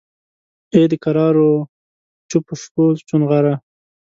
ای دکرارو چوپو شپو چونغره!